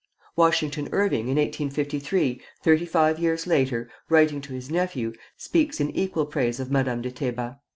Washington Irving, in 1853, thirty five years later, writing to his nephew, speaks in equal praise of Madame de Teba.